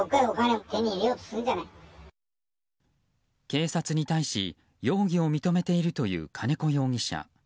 警察に対し、容疑を認めているという金子容疑者。